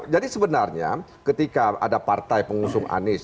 jadi sebenarnya ketika ada partai pengusung anies